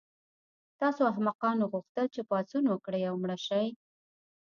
تاسو احمقانو غوښتل چې پاڅون وکړئ او مړه شئ